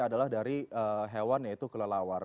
adalah dari hewan yaitu kelelawar